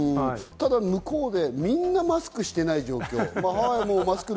向こうでみんなマスクしていない状況。